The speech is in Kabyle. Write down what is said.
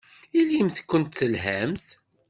Ilimt-kent telhamt.